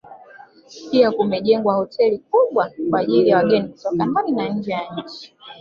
Pia kumejengwa hoteli kubwa kwa ajili ya wageni kutoka ndani na nje ya nchi